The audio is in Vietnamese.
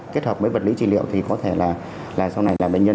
kết hợp với vật lý trị liệu thì có thể là sau này là bệnh nhân